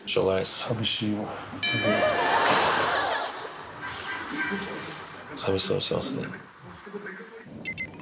寂しそうにしてますね。